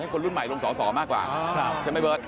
คนรุ่นใหม่ลงสอสอมากกว่าใช่ไหมเบิร์ต